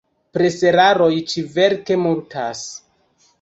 Preseraroj ĉi-verke multas.